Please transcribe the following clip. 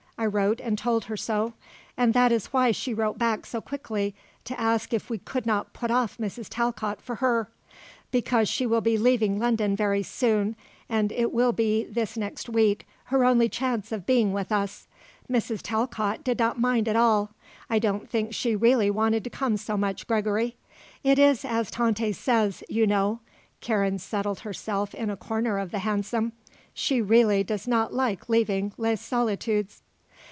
I wrote and told her so, and that is why she wrote back so quickly to ask if we could not put off Mrs. Talcott for her; because she will be leaving London very soon and it will be, this next week, her only chance of being with us. Mrs. Talcott did not mind at all. I don't think she really wanted to come so much, Gregory. It is as Tante says, you know," Karen settled herself in a corner of the hansom, "she really does not like leaving Les Solitudes."